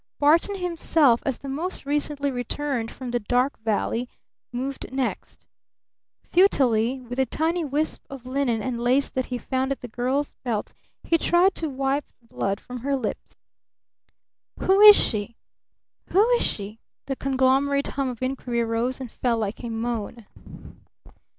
Barton himself, as the most recently returned from the "Dark Valley," moved next. Futilely, with a tiny wisp of linen and lace that he found at the girl's belt, he tried to wipe the blood from her lips. "Who is she? Who is she?" the conglomerate hum of inquiry rose and fell like a moan.